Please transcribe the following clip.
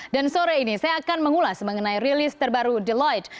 dan sore ini saya akan mengulas mengenai rilis terbaru deloitte